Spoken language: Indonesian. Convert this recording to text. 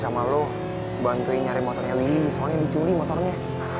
sama lo bantuin nyari motornya ini soalnya dicuri motornya